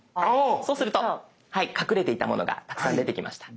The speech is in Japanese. そうすると隠れていたものがたくさん出てきました。